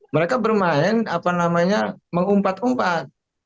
mereka bermain apa namanya mengumpat umpat